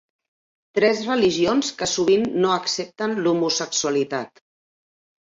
Tres religions que sovint no accepten l'homosexualitat.